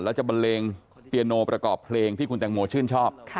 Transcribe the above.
แล้วจะบันเลงเปียโนประกอบเพลงที่คุณแตงโมชื่นชอบ